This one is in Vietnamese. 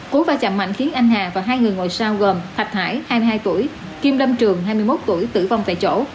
cú va chạm mạnh khiến anh hà và hai người ngồi sau gồm thạch hải hai mươi hai tuổi kim lâm trường hai mươi một tuổi tử vong tại chỗ